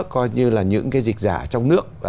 coi như là những cái dịch giả trong nước